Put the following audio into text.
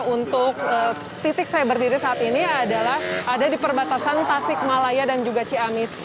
untuk titik saya berdiri saat ini adalah ada di perbatasan tasik malaya dan juga ciamis